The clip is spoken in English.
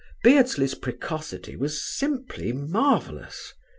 Beardsley's precocity was simply marvellous.